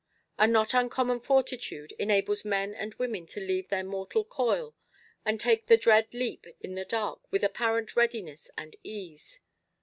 A not uncommon fortitude enables men and women to leave their mortal coil, and take the dread leap in the dark with apparent readiness and ease.